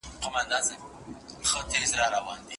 په مرکه کي ګډون کول يوازي د ثواب لپاره ندی.